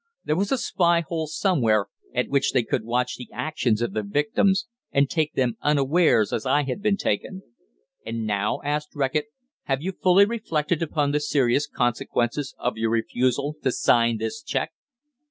There was a spy hole somewhere, at which they could watch the actions of their victims, and take them unawares as I had been taken. "And now," asked Reckitt, "have you fully reflected upon the serious consequences of your refusal to sign this cheque?"